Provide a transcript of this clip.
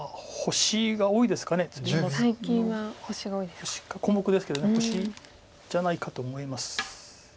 星か小目ですけど星じゃないかと思います。